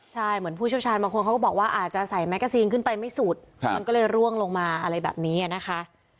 ใช่เหมือนผู้เชี่ยวชาญบางคนเขาก็บอกว่าอาจจะใส่แมกกาซีนขึ้นไปไม่สุดมันก็เลยร่วงลงมาอะไรแบบนี้นะคะ